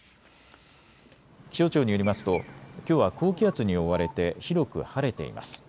気象庁によりますときょうは高気圧に覆われて広く晴れています。